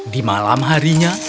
di malam harinya